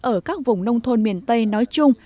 ở các vùng nông thôn miền tây nói chung